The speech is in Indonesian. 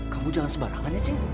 kamu jangan sebarangannya ceng